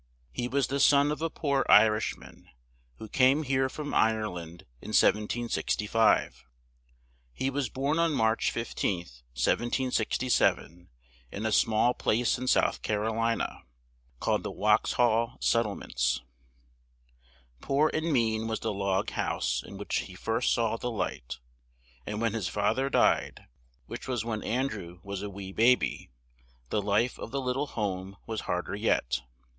He was the son of a poor I rish man who came here from Ire land in 1765. He was born on March 15th, 1767, in a small place in South Car o li na, called the Wax haw Set tle ments. Poor and mean was the log house in which he first saw the light, and when his fa ther died, which was when An drew was a wee baby, the life of the lit tle home was hard er yet.